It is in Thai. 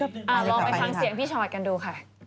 รอกับคำเสียงพี่ชาวอาจกันดูค่ะ